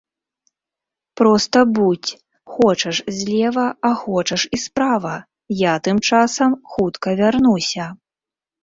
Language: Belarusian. Проста будзь, хочаш злева, а хочаш і справа, я тым часам хутка вярнуся.